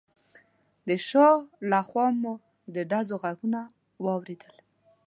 د شا له خوا مو د ډزو غږونه واورېدل.